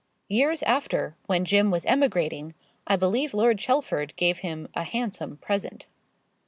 Years after, when Jim was emigrating, I believe Lord Chelford gave him a handsome present.